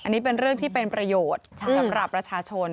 อันนี้เป็นเรื่องที่เป็นประโยชน์สำหรับประชาชน